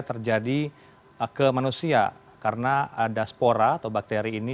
terjadi ke manusia karena ada spora atau bakteri ini